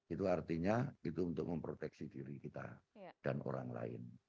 itu artinya itu untuk memproteksi diri kita dan orang lain